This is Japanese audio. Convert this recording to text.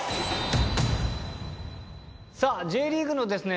さあＪリーグのですね